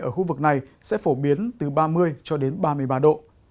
ở khu vực này sẽ phổ biến từ ba mươi cho đến ba mươi ba độ